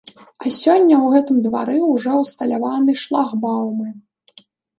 А сёння ў гэтым двары ўжо ўсталяваны шлагбаумы.